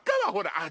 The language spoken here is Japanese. あっ！